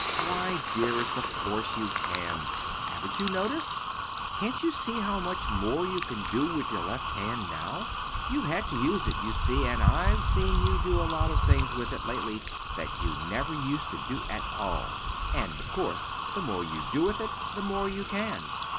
"Why, dearest, of course you can! Haven't you noticed? Can't you see how much more you can do with your left hand now? You've had to use it, you see. I've seen you do a lot of things with it, lately, that you never used to do at all. And, of course, the more you do with it, the more you can!"